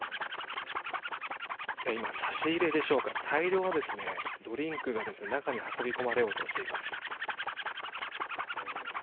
今、差し入れでしょうか大量のドリンクが中に運び込まれようとしています。